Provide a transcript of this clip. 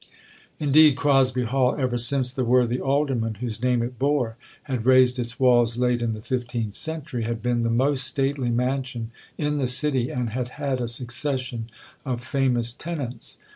Indeed, Crosby Hall, ever since the worthy alderman, whose name it bore, had raised its walls late in the fifteenth century, had been the most stately mansion in the city, and had had a succession of famous tenants.